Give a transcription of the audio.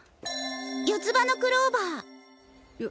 四つ葉のクローバー！よ